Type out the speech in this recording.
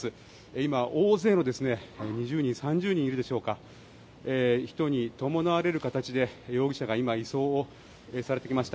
今２０人、３０人いるでしょうか大勢の人に伴われる形で容疑者が今移送されてきました。